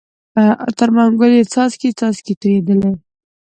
تر منګول یې څاڅکی څاڅکی تویېدلې